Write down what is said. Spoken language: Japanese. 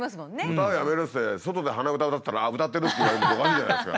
歌やめるっつって外で鼻歌歌ってたら「あっ歌ってる！」って言われるのもおかしいじゃないですか。